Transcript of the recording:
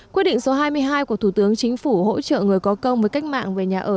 quyết định số hai mươi hai của thủ tướng chính phủ hỗ trợ người có công với cách mạng về nhà ở